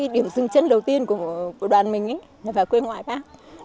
điểm dưng chân đầu tiên của đoàn mình là vào quê ngoại bác